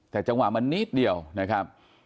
แต่จังหวะมันนิดเดียวนะครับ